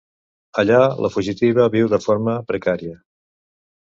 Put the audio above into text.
Allà, la fugitiva viu de forma precària.